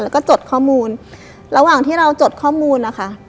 แล้วก็จดข้อมูลระหว่างที่เราจดข้อมูลนะคะ